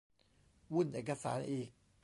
วุ่นเอกสารอีก